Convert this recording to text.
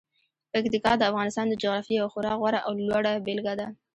پکتیکا د افغانستان د جغرافیې یوه خورا غوره او لوړه بېلګه ده.